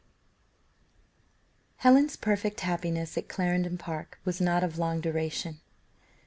Helen's perfect happiness at Clarendon Park was not of long duration.